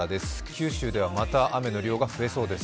九州ではまた雨の量が増えそうです。